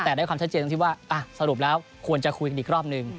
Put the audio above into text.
แต่ได้ความชัดเจนตรงที่ว่าสรุปแล้วควรจะคุยกันอีกรอบหนึ่ง